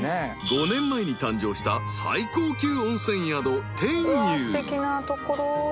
［５年前に誕生した最高級温泉宿］